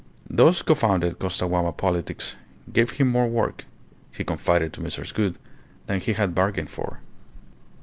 Those confounded Costaguana politics gave him more work he confided to Mrs. Gould than he had bargained for.